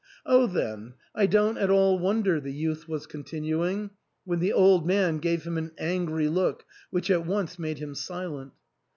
" Oh then, I don't at all wonder," the youth was continuing, when the old man gave him an angry look, which at once made him silent.